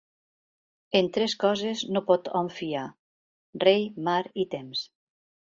En tres coses no pot hom fiar: rei, mar i temps.